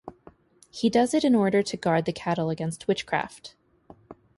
He does it in order to guard the cattle against witchcraft.